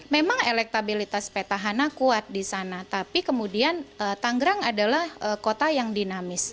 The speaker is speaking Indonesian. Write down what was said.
memang elektabilitas petahana kuat di sana tapi kemudian tanggerang adalah kota yang dinamis